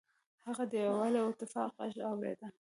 هغه د یووالي او اتفاق غږ اوریده.